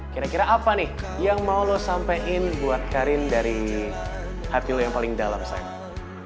kira kira apa nih yang mau lo sampein buat karin dari hati lo yang paling dalam saat ini